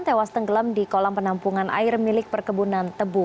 tewas tenggelam di kolam penampungan air milik perkebunan tebu